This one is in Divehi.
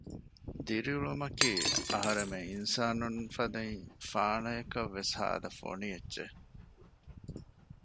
ދިރިހުރުމަކީ އަހަރެމެން އިންސާނުން ފަދައިން ފާނަޔަކަށް ވެސް ހާދަ ފޮނި އެއްޗެއް